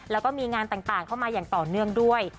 แล้วก็มีงานต่างเข้ามาอย่างต่อเนื่องด้วย